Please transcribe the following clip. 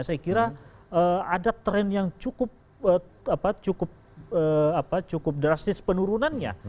saya kira ada tren yang cukup drastis penurunannya